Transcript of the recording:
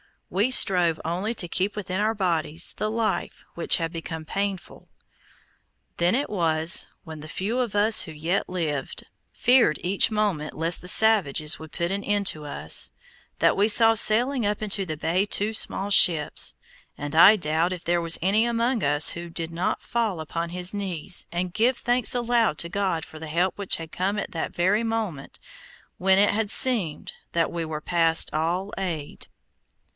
We strove only to keep within our bodies the life which had become painful. Then it was, when the few of us who yet lived, feared each moment lest the savages would put an end to us, that we saw sailing up into the bay two small ships, and I doubt if there was any among us who did not fall upon his knees and give thanks aloud to God for the help which had come at the very moment when it had seemed that we were past all aid.